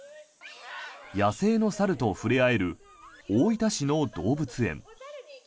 野生の猿と触れ合える大分市の動物園。